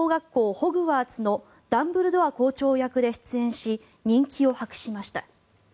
ホグワーツのダンブルドア校長役で出演し人気を博しました。